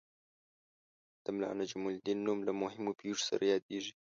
د ملا نجم الدین نوم له مهمو پېښو سره یادیږي.